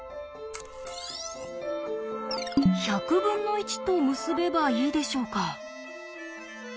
１００分の１と結べばいいでしょうか？